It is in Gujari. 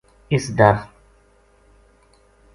اس ڈر